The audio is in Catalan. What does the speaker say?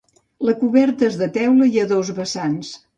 La coberta és de teula i a dos vessants.